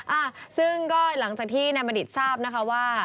อ่าซึ่งก็หลังจากที่นายบัณฑิตทราบนะคะว่า